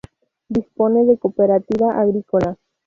Dispone de cooperativa agrícola.